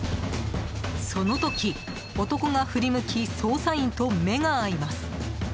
その時、男が振り向き捜査員と目が合います。